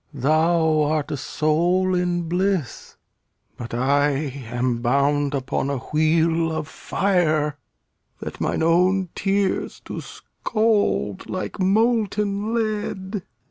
Thou art a soul in bliss; but I am bound Upon a wheel of fire, that mine own tears Do scald like molten lead.